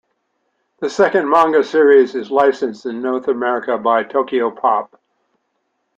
The second manga series is licensed in North America by Tokyopop.